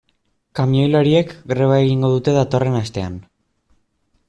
Kamioilariek greba egingo dute datorren astean.